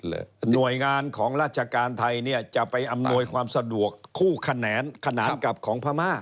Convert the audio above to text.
หน่วยงานของราชการไทยเนี่ยจะไปอำนวยความสะดวกคู่ขนานขนานกับของพม่า